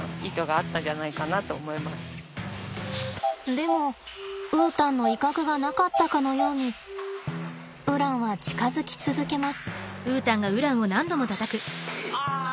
でもウータンの威嚇がなかったかのようにウランは近づき続けます。